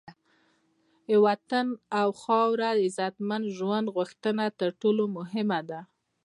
د وطن او خاوره د عزتمند ژوند غوښتنه تر ټولو مهمه ده.